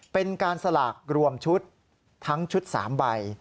เป็นการสลากรวมชุดทั้งชุด๓ใบ